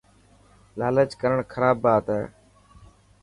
لالچ ڪرڻ خراب بات هي.